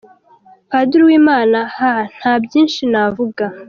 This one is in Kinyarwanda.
Padiri Uwimana: Hhahaha nta byinshi navuga.